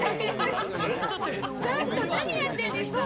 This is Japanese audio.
ちょっと何やってんですか？